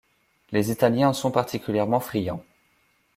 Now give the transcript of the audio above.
Les Italiens en sont particulièrement friands.